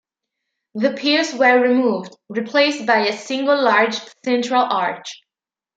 The piers were removed, replaced by a single large central arch.